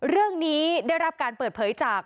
เรื่องนี้ได้รับการเปิดเผยจาก